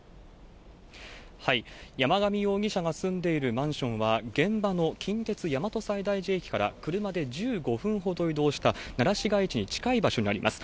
山上容疑者が住んでいるマンションは、現場の近鉄大和西大寺駅から車で１５分ほど移動した奈良市街地に近い場所にあります。